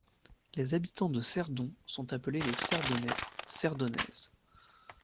Les habitants de Cerdon sont appelés les Cerdonnais, Cerdonnaises.